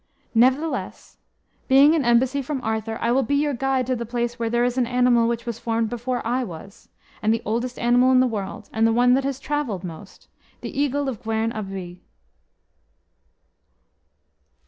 Nevertheless, being an embassy from Arthur, I will be your guide to the place where there is an animal which was formed before I was, and the oldest animal in the world, and the one that has travelled most, the Eagle of Gwern Abwy."